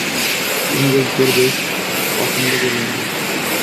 ইংরেজদের বেশ পছন্দ করি আমি।